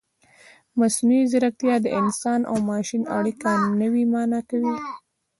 مصنوعي ځیرکتیا د انسان او ماشین اړیکه نوې مانا کوي.